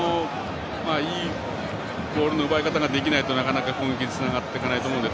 いいボールの奪い方ができないとなかなか攻撃につながっていかないと思います。